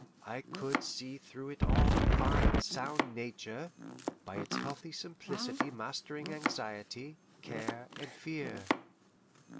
I could see through it all the fine, sound nature, by its healthy simplicity mastering anxiety, care, and fear.